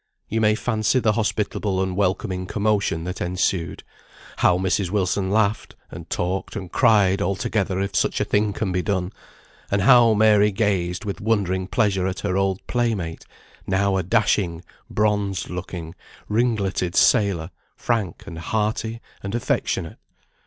You may fancy the hospitable and welcoming commotion that ensued; how Mrs. Wilson laughed, and talked, and cried, altogether, if such a thing can be done; and how Mary gazed with wondering pleasure at her old playmate; now a dashing, bronzed looking, ringletted sailor, frank, and hearty, and affectionate.